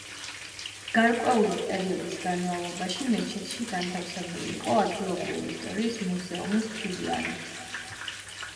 გარკვეული პერიოდის განმავლობაში მეჩეთში განთავსებული იყო ადგილობრივი ისტორიის მუზეუმის ფილიალი.